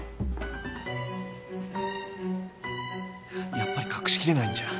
やっぱり隠しきれないんじゃ。